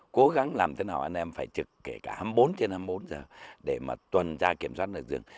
cố gắng làm thế nào anh em phải trực kể cả hai mươi bốn trên hai mươi bốn giờ để mà tuần tra kiểm soát được rừng